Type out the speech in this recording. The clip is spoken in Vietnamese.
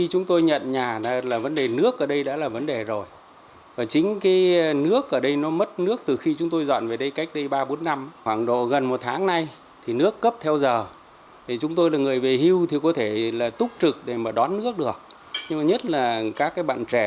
chúng tôi là người về hưu thì có thể là túc trực để mà đón nước được nhưng mà nhất là các cái bạn trẻ